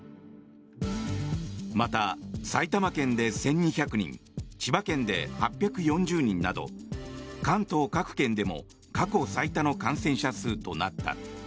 また、埼玉県で１２００人千葉県で８４０人など関東各県でも過去最多の感染者数となった。